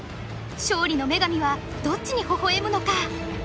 勝利の女神はどっちにほほ笑むのか？